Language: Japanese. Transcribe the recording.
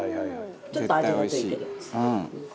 ちょっと味が付いてるやつ。